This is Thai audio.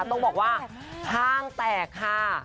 ต้องบอกว่าห้างแตกค่ะ